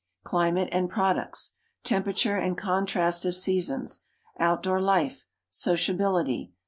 Climate and products. Temperature and contrast of seasons. Outdoor life. Sociability.